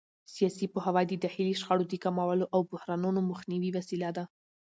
سیاسي پوهاوی د داخلي شخړو د کمولو او بحرانونو مخنیوي وسیله ده